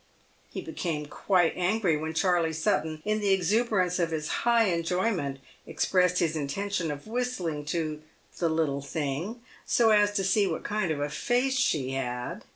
He became quite angry n2 180 PAVED WITH GOLD. when Charley Sutton, in the exuberance of his high enjoyment, ex pressed his intention of whistling to "the little thing" so as to see what kind of a face she had.